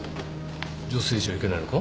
女性じゃいけないのか？